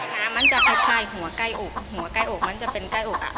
ลักษณะมันจะคล้ายหัวไก่โอกหัวไก่โอกมันจะเป็นไก่โอกอ่ะ